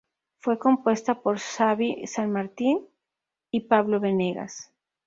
Fue compuesta por Xabi San Martín y Pablo Benegas.